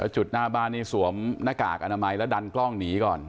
จุดหน้าบ้านนี่สวมหน้ากากอนามัยแล้วดันกล้องหนีก่อน